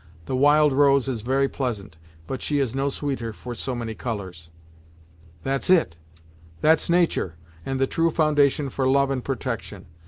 The 'Wild Rose' is very pleasant, but she is no sweeter for so many colours." "That's it! that's natur', and the true foundation for love and protection.